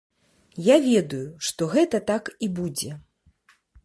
Я ведаю, што гэта так і будзе.